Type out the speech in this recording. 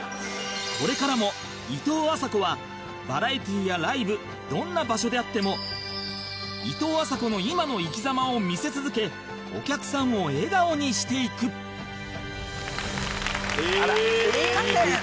これからもいとうあさこはバラエティやライブどんな場所であってもいとうあさこの今の生き様を見せ続けお客さんを笑顔にしていくあらすみません。